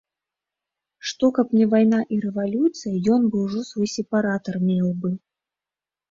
Што, каб не вайна і рэвалюцыя, ён бы ўжо свой сепаратар меў бы.